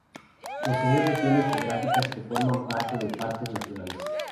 Posee regiones geográficas que forman parte de Parques Naturales.